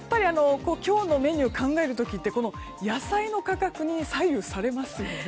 今日のメニューを考える時って野菜の価格に左右されますよね。